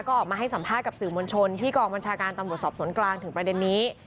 ก็ออกมาให้สัมภาษณ์กับสื่อมวลชนที่กองบัญชาการตำรวจสอบสวนกลางถึงประเด็นนี้